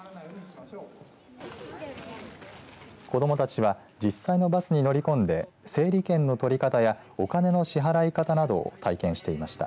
子どもたちは実際のバスに乗り込んで整理券の取り方やお金の支払い方などを体験していました。